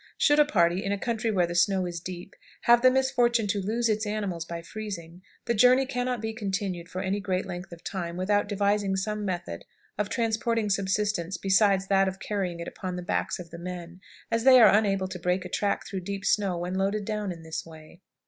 Should a party, in a country where the snow is deep, have the misfortune to lose its animals by freezing, the journey can not be continued for any great length of time without devising some method of transporting subsistence besides that of carrying it upon the backs of the men, as they are unable to break a track through deep snow when loaded down in this way.